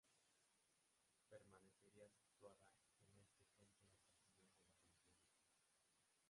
Permanecería situada en este frente hasta el final de la contienda.